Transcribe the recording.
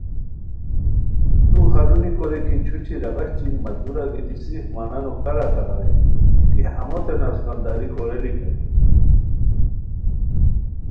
تو ہرونی کورے کی چھوچی راغیشٹی مہ دُورہ گیتی صرف مہ نانو کارہ تاراوے کی ہموتین اݱغالداری کوریلیک رے